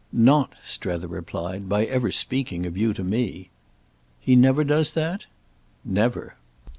"Not," Strether replied, "by ever speaking of you to me." "He never does that?" "Never."